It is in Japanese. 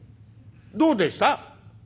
「どうでした？」。